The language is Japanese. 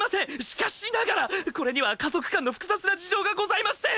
しかしながらこれには家族間の複雑な事情がございまして！